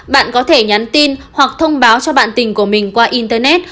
bạn có thể nhắn tin hoặc thông báo cho bạn tình của mình qua internet